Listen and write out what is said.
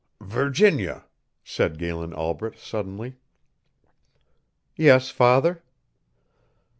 "Virginia," said Galen Albret, suddenly. "Yes, father."